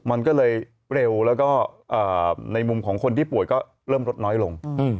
มันก็เลยเร็วแล้วก็ในมุมของคนที่ป่วยก็เริ่มลดน้อยลง